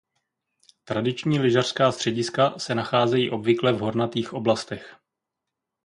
Tradiční lyžařská střediska se nacházejí obvykle v hornatých oblastech.